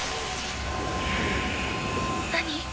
何？